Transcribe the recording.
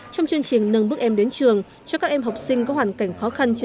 trong chương trình nâng bước em đến trường cho các em học sinh có hoàn cảnh khó khăn trên địa bàn